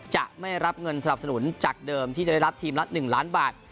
จะไม่รับเงินสนับสนุนจากเดิมที่จะได้รับทีมละ๑ล้านบาท